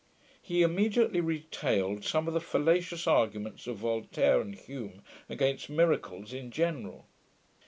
He immediately retailed some of the fallacious arguments of Voltaire and Hume against miracles in general.